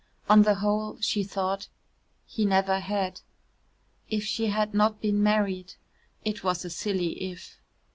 On the whole, she thought, he never had. If she had not been married it was a silly "if."